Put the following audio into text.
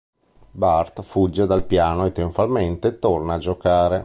Bart fugge dal piano e trionfalmente torna a giocare.